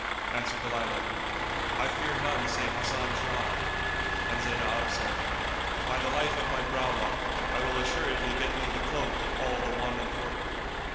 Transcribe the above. Answered Dalilah, "I fear none save Hasan Shuman;" and Zaynab said, "By the life of my browlock, I will assuredly get thee the clothes of all the one and forty."